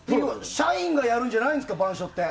社員がやるんじゃないんですか板書って。